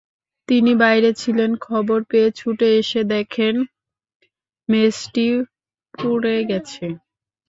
তিনি বাইরে ছিলেন, খবর পেয়ে ছুটে এসে দেখেন মেসটি পুড়ে গেছে।